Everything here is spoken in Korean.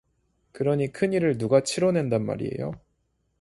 그러니 큰 일을 누가 치뤄 낸단 말이요?